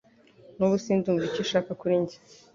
Nubu sindumva icyo ushaka kuri njye